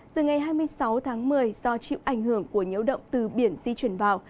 từ ngày hai mươi sáu tháng một mươi do chịu ảnh hưởng của nhiễu động từ biển di chuyển vào